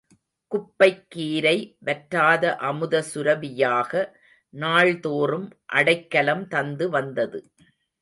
குப்பைக் கீரை வற்றாத அமுத சுரபி யாக நாள்தோறும் அடைக்கலம் தந்து வந்தது.